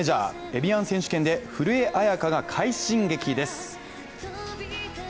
エビアン選手権で古江彩佳が快進撃です。